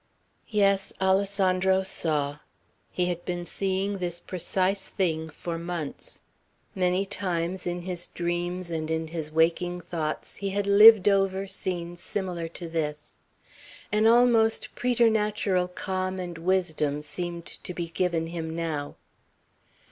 Yes, Alessandro saw. He had been seeing this precise thing for months. Many times, in his dreams and in his waking thoughts, he had lived over scenes similar to this. An almost preternatural calm and wisdom seemed to be given him now.